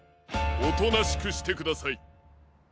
おとなしくしてください。